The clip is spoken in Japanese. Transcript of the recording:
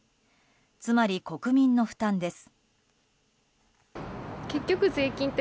つまり国民の負担です。